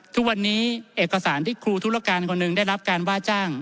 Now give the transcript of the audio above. ทุกวันนี้เอกสารที่ครูธุรการคนหนึ่งได้รับการว่าจ้าง